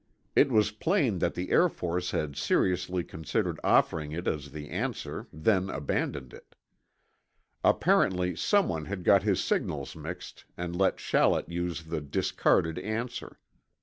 It was plain that the Air Force had seriously considered offering it as the answer then abandoned it. Apparently someone had got his signals mixed and let Shallett use the discarded answer.